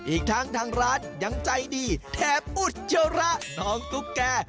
อีกทั้งทางร้านยังใจดีแถบอุจจาระน้องตุ๊กแก่